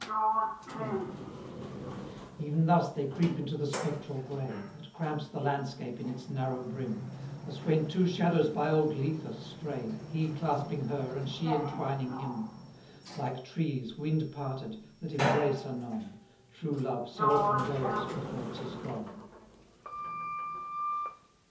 X. Ev'n thus they creep into the spectral gray, That cramps the landscape in its narrow brim, As when two shadows by old Lethe stray, He clasping her, and she entwining him; Like trees, wind parted, that embrace anon, True love so often goes before 'tis gone.